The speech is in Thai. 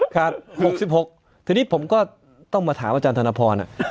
ครับ๖๖ทีนี้ผมก็ต้องมาถามอาจารย์ธนพร